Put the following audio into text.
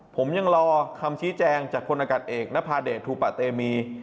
ผมยังรอคำชี้แจงจากคนอากาศเอกนภาเดชทูปะเตมี